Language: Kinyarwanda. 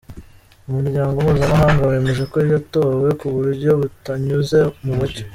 Umuryango Mpuzamahanga wemeje ko yatowe ku buryo butanyuze mu mucyo.